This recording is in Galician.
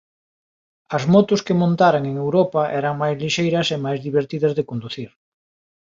As motos que montaran en Europa eran máis lixeiras e máis divertidas de conducir.